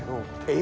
え！